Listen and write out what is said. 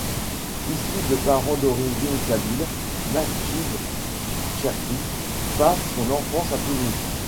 Issu de parents d'origine kabyle, Magyd Cherfi passe son enfance à Toulouse.